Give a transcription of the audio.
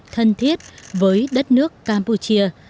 thân thiết với đất nước campuchia